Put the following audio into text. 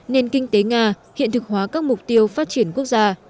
nền kinh tế nga hiện thực hóa các mục tiêu phát triển quốc gia